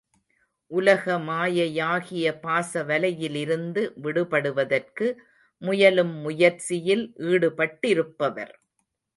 உலக மாயையாகிய பாசவலையிலிருந்து விடுபடுவதற்கு முயலும் முயற்சியில் ஈடுபட்டிருப்பவர்.